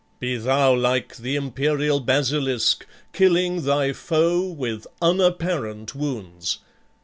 Be thou like the imperial basilisk, Killing thy foe with unapparent wounds!